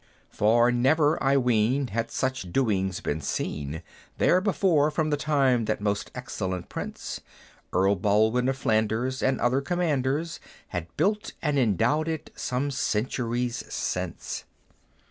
For never, I ween, had such doings been seen There before, from the time that most excellent Prince, Earl Baldwin of Flanders, and other Commanders, Had built and endowed it some centuries since.